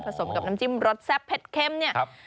สมกับน้ำจิ้มรสแซ่บเผ็ดเข้มเนี่ย